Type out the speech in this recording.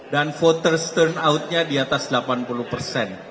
dan voters turnout nya di atas delapan puluh persen